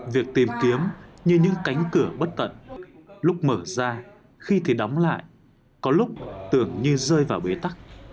việc tìm kiếm như những cánh cửa bất tận lúc mở ra khi thì đóng lại có lúc tưởng như rơi vào bế tắc